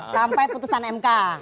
sampai keputusan mk